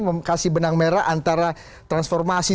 mengkasi benang merah antara transformasi